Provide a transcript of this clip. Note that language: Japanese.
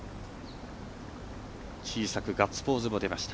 小さくガッツポーズも出ました。